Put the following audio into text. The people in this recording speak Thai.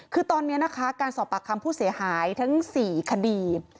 คือตอนนี้นะคะการสอบปากคำผู้เสียหายทั้ง๔คดี